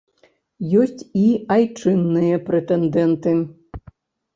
Ёсць і айчынныя прэтэндэнты.